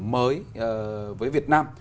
mới với việt nam